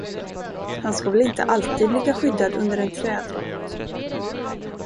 Han ska väl inte alltid ligga skyddad under en trädrot.